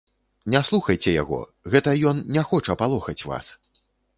Не слухайце яго, гэта ён не хоча палохаць вас.